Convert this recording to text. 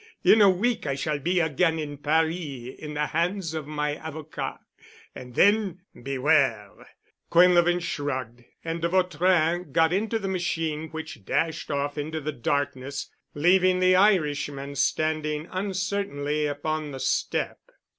In a week I shall be again in Paris in the hands of my avocat. And then—beware!" Quinlevin shrugged and de Vautrin got into the machine which dashed off into the darkness, leaving the Irishman standing uncertainly upon the step.